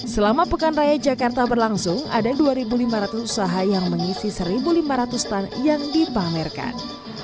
selama pekan raya jakarta berlangsung ada dua lima ratus usaha yang mengisi satu lima ratus stand yang dipamerkan